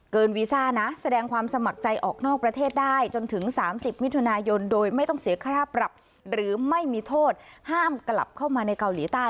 วีซ่านะแสดงความสมัครใจออกนอกประเทศได้จนถึง๓๐มิถุนายนโดยไม่ต้องเสียค่าปรับหรือไม่มีโทษห้ามกลับเข้ามาในเกาหลีใต้